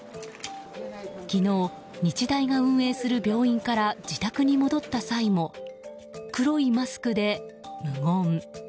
昨日、日大が運営する病院から自宅に戻った際も黒いマスクで無言。